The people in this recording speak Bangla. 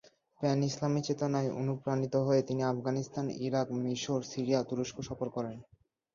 প্যান ইসলামী চেতনায় অনুপ্রাণিত হয়ে তিনি আফগানিস্তান, ইরাক, মিশর, সিরিয়া ও তুরস্ক সফর করেন।